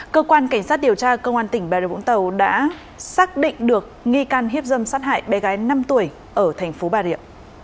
cơ quan cảnh sát điều tra công an tỉnh bà rịa vũng tàu đã xác định được nghi can hiếp dâm sát hại bé gái năm tuổi ở thành phố bà rịa